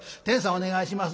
お願いします。